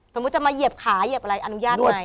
สมมุติจะมาเหยียบขาเหยียบอะไรอนุญาตใหม่